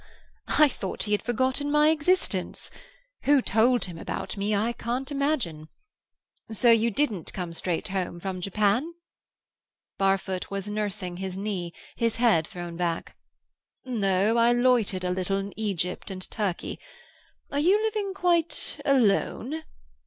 I thought he had forgotten my existence. Who told him about me I can't imagine. So you didn't come straight home from Japan?" Barfoot was nursing his knee, his head thrown back. "No; I loitered a little in Egypt and Turkey. Are you living quite alone?"